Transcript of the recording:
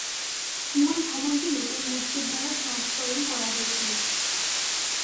মূল ভবনটি নতুন মসজিদ দ্বারা সংস্করণ করা হয়েছিল।